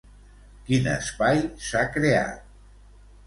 Quin espai s'ha creat?